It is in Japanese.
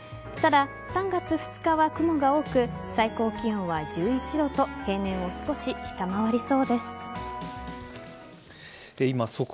ただ、３月２日は雲が多く最高気温は１１度と平年を少し下回りそうです。